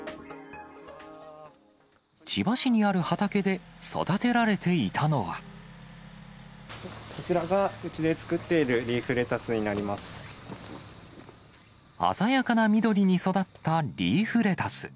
千葉市にある畑で育てられてこちらが、うちで作っている鮮やかな緑に育ったリーフレタス。